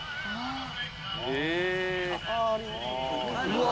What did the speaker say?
うわ！